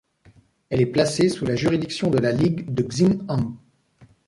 Elle est placée sous la juridiction de la ligue de Xing'an.